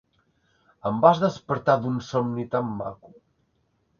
Em vas despertar d'un somni tan maco!